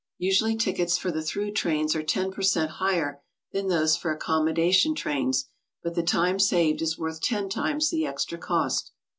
Usually tickets for the through trains are lo per cent, higher than those for accommodation trains, but the time saved is worth ten times the extra cost.